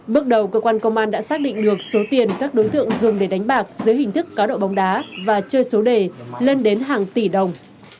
bước đầu cơ quan công an đã xác định được số tiền các đối tượng dùng để đánh bạc dưới hình thức cá độ bóng đá và chơi số đề lên đến hàng tỷ đồng